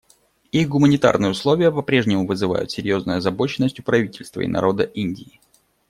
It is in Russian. Их гуманитарные условия по-прежнему вызывают серьезную озабоченность у правительства и народа Индии.